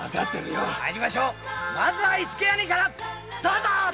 まずは伊助兄いからどうぞ！